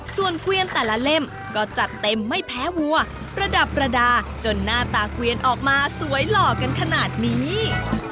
ส่วนเกวียนแต่ละเล่มก็จัดเต็มไม่แพ้วัวประดับประดาจนหน้าตาเกวียนออกมาสวยหล่อกันขนาดนี้